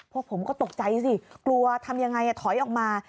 พวกผมก็ตกใจสิกลัวทำยังไงถอยออกมา